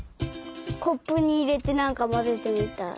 コップにいれてなんかまぜてみたい。